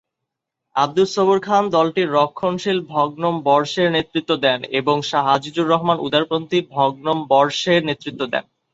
আবদুস সবুর খান দলটির রক্ষণশীল ভগ্নম্বরশের নেতৃত্ব দেন এবং শাহ আজিজুর রহমান উদারপন্থী ভগ্নম্বরশের নেতৃত্ব দেন।